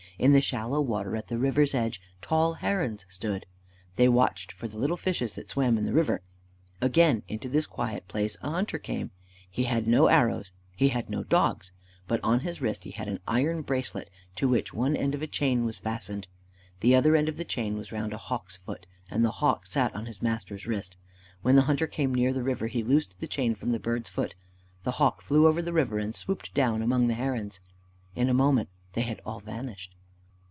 In the shallow water at the river's edge tall herons stood. They watched for the little fishes that swam in the river. Again, into this quiet place a hunter came. He had no arrows. He had no dogs. But on his wrist he had an iron bracelet to which one end of a chain was fastened. The other end of the chain was round a hawk's foot, and the hawk sat on his master's wrist. When the hunter came near the river he loosed the chain from the bird's foot. The hawk flew over the river and swooped down among the herons. In a moment they had all vanished.